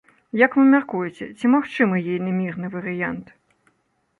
Як вы мяркуеце, ці магчымы ейны мірны варыянт?